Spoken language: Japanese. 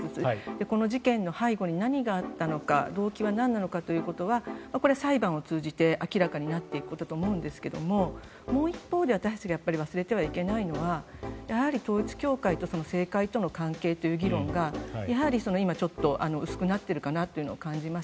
この事件の背後に何があったのか動機はなんだったのかはこれは裁判を通じて明らかになっていくことだと思うんですがもう一方で私たちが忘れてはいけないのはやはり統一教会と政界との関係という議論がやはり今ちょっと薄くなっているかなと感じます。